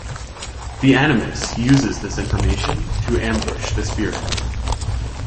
The Animus uses this information to ambush the spearhead.